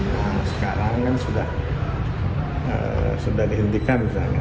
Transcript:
yang sekarang kan sudah dihentikan misalnya